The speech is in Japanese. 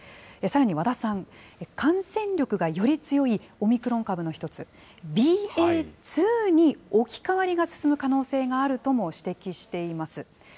さらに和田さん、感染力がより強いオミクロン株の１つ、ＢＡ．２に置き換わりが進む可能性があるとも指摘しています。